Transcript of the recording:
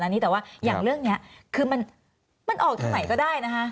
อันนี้แต่ว่าอย่างเรื่องนี้คือมันออกทางไหนก็ได้นะคะ